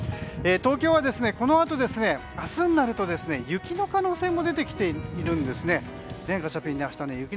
東京はこのあと、明日になると雪の可能性も出てきているんですね。